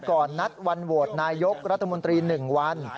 ก่อนนัดวันโหวตนายกรัฐมนตรี๑วัน